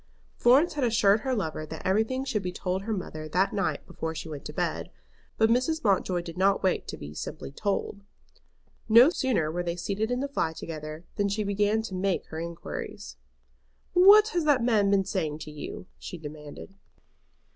Florence had assured her lover that everything should be told her mother that night before she went to bed. But Mrs. Mountjoy did not wait to be simply told. No sooner were they seated in the fly together than she began to make her inquiries. "What has that man been saying to you?" she demanded.